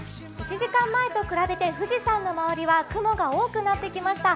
１時間前と比べて富士山の周りには雲が多くなってきました。